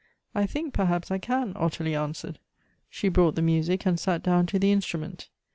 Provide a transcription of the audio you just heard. " I think perhaps I can," Ottilie answered. She brought the music and sat down to the instrument.